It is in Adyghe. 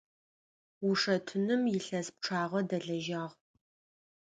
Ушэтыным илъэс пчъагъэ дэлэжьагъ.